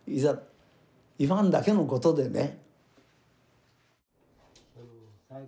言わんだけのことでね。